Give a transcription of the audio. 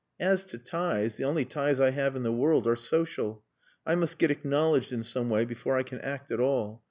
As to ties, the only ties I have in the world are social. I must get acknowledged in some way before I can act at all.